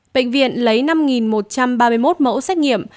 bệnh viện lấy năm một trăm ba mươi một mẫu xét nghiệm